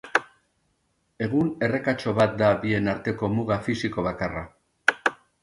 Egun errekatxo bat da bien arteko muga fisiko bakarra.